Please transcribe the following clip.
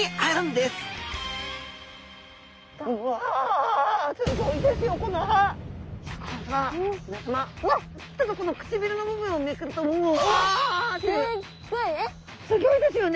すギョいですよね。